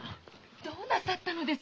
どうなさったのです？